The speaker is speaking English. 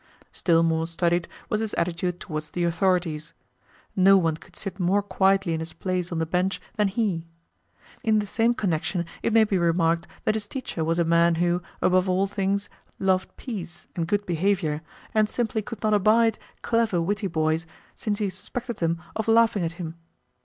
Still more studied was his attitude towards the authorities. No one could sit more quietly in his place on the bench than he. In the same connection it may be remarked that his teacher was a man who, above all things, loved peace and good behaviour, and simply could not abide clever, witty boys, since he suspected them of laughing at him.